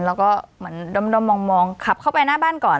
แล้วก็เหมือนด้อมมองขับเข้าไปหน้าบ้านก่อน